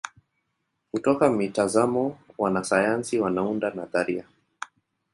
Kutoka mitazamo wanasayansi wanaunda nadharia.